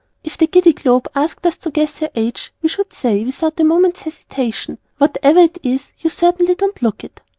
_ If the Giddy Globe asked us to guess her age, we should say, without a moment's hesitation, "Whatever it is you certainly don't look it!"